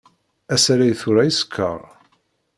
Asalay tura isekkeṛ.